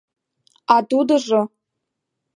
А тудыжо!